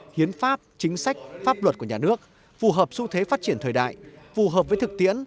hiến pháp chính sách pháp luật của nhà nước phù hợp xu thế phát triển thời đại phù hợp với thực tiễn